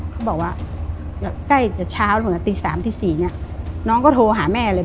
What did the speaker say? เขาบอกว่าใกล้จะเช้าหน่อยตี๓ตี๔เนี่ยน้องก็โทรหาแม่เลย